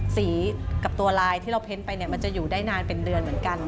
สีกับตัวลายที่เราเพ้นไปเนี่ยมันจะอยู่ได้นานเป็นเดือนเหมือนกัน